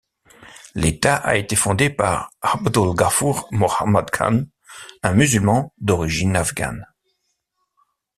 L'état a été fondé par 'Abdu'l Ghafur Muhammad Khan, un musulman d'origines afghanes.